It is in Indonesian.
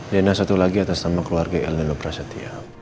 dan satu lagi atas nama keluarga elneno prasetya